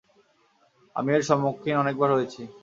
আমি এর সম্মুখীন অনেক বার হয়েছি।